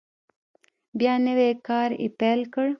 بیا نوی کار یې پیل کړ.